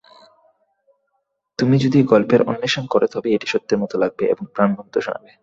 তুমি যদি গল্পের অন্বেষণ কর, তবেই এটি সত্যের মতো লাগবে এবং প্রানবন্ত শোনাবে।